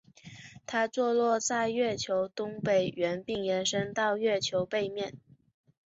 它坐落在月球东北缘并延伸到月球背面。